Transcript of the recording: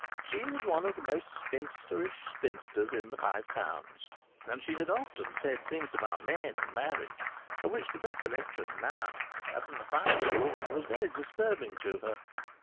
She was one of the most spinsterish spinsters in the Five Towns; and she had often said things about men and marriage of which the recollection now, as an affianced woman, was very disturbing to her.